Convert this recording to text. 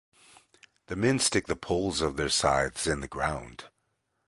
The men stick the poles of their scythes in the ground.